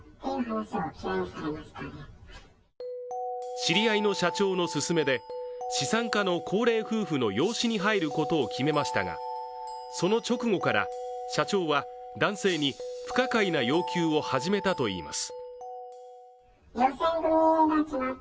知り合いの社長の勧めで資産家の高齢夫婦の養子に入ることを決めましたがその直後から、社長は男性に不可解な要求を始めたといいます。